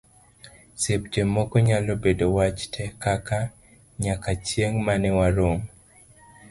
seche moko nyalo bedo wach te, kaka; nyaka chieng' mane warom